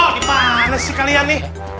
gimana sih kalian nih